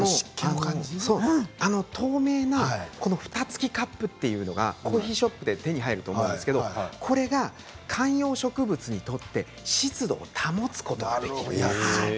透明なふた付きカップというのはコーヒーショップで手に入ると思うんですけれどもこれは観葉植物にとって湿度を保つことができる。